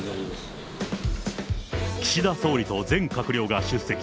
岸田総理と全閣僚が出席。